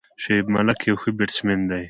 شعیب ملک یو ښه بیټسمېن دئ.